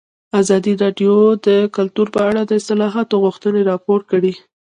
ازادي راډیو د کلتور په اړه د اصلاحاتو غوښتنې راپور کړې.